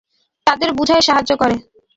তাদের বুঝায় সাহায্য করে।